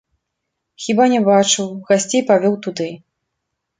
Хіба не бачыў, гасцей павёў туды.